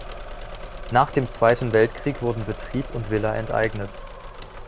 Nach dem Zweiten Weltkrieg wurden Betrieb und Villa enteignet.